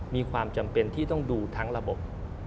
มีความจำเป็นที่ต้องดูทั้งระบบ